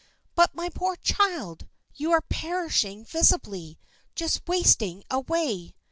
"But, my poor child, you are perishing visibly just wasting away.